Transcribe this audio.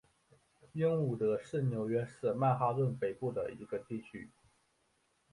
英伍德是纽约市曼哈顿北部的一个地区。